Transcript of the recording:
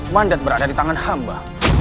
mandat berada di tangan hamba